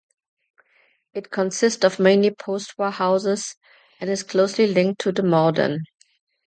It consists of mainly post-war houses, and is closely linked to the Mowden.